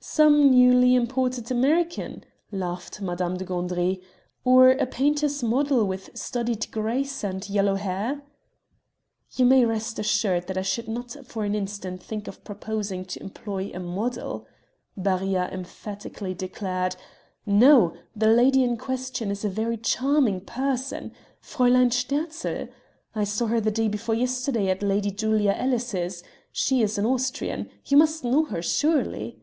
"Some newly imported American," laughed Madame de Gandry, "or a painter's model with studied grace and yellow hair?" "You may rest assured that I should not for an instant think of proposing to employ a model," Barillat emphatically declared; "no, the lady in question is a very charming person: Fräulein Sterzl. I saw her the day before yesterday at Lady Julia Ellis's; she is an Austrian you must know her surely?"